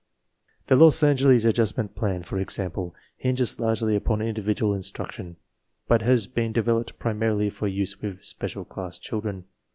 The Los Angeles Adjustment Plan, for example, hinges largely upon individual instruction, but has been developed primarily for use with special class children.